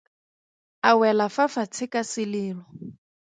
A wela fa fatshe ka selelo.